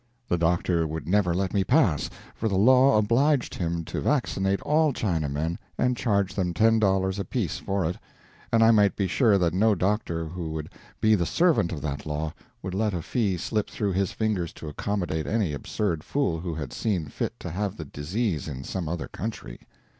The doctor would never let me pass, for the law obliged him to vaccinate all Chinamen and charge them ten dollars apiece for it, and I might be sure that no doctor who would be the servant of that law would let a fee slip through his fingers to accommodate any absurd fool who had seen fit to have the disease in some other country.